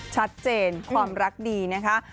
ชัดเจนความรักดีนะคะ